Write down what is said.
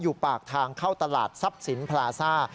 ปากทางเข้าตลาดทรัพย์สินพลาซ่า